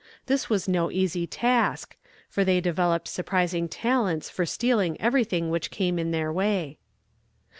This was no easy task, for they developed surprising talents for stealing everything which came in their way.